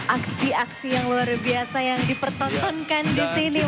aksi aksi yang luar biasa yang dipertontonkan disini